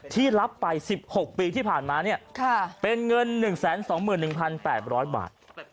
ที่รับไป๑๖ปีที่ผ่านมาเป็นเงิน๑๒๑๘๐๐บาท